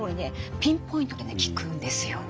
ピンポイントでね効くんですよね。